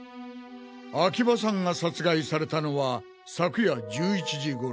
秋葉さんが殺害されたのは昨夜１１時頃。